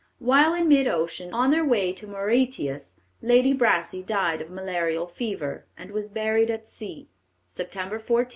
While in mid ocean, on their way to Mauritius, Lady Brassey died of malarial fever, and was buried at sea, September 14, 1887.